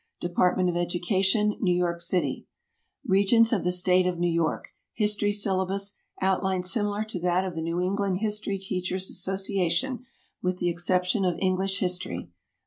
Department of Education, New York City. NEW YORK, REGENTS OF THE STATE OF "History Syllabus" (outline similar to that of the New England History Teachers' Association, with the exception of English History).